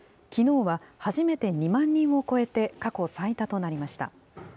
きのうは、初めて２万人を超えて、過去最多となりました。